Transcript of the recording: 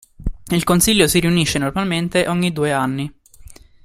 Il Consiglio si riunisce normalmente ogni due anni.